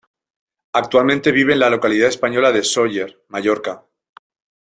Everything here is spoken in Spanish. Actualmente vive en la localidad española de Sóller, Mallorca.